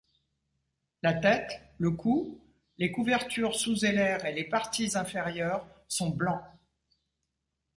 La tête, le cou, les couvertures sous-alaires et les parties inférieures sont blancs.